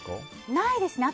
ないですね。